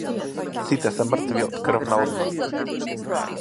Сите се мртви од крвна одмазда.